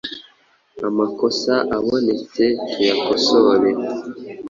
Amakosa abonetse tuyakosore